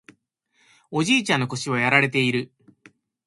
おじいちゃんの腰はやられている